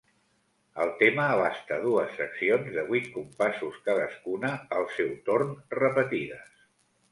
El tema abasta dues seccions de vuit compassos cadascuna, al seu torn repetides.